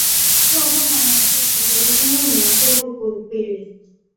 中国共产党第十九届中央委员会候补委员。